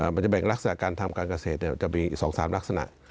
มันจะแบ่งลักษณะการทำการเกษตรจะมีอีก๒๓ลักษณะ